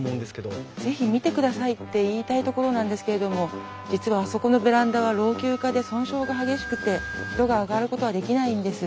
是非見てくださいって言いたいところなんですけれども実はあそこのベランダは老朽化で損傷が激しくて人が上がることはできないんです。